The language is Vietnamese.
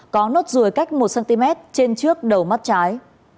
có nốt ruồi cách một cm trên trước đầu mắt trái